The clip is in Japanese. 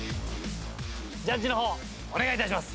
ジャッジの方お願い致します。